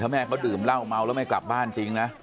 แม่เขาดื่มเหล้าเมาแล้วไม่กลับบ้านจริงนะ